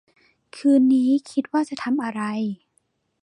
คืนนี้คิดว่าจะทำอะไร